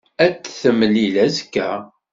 Ad t-temlil azekka.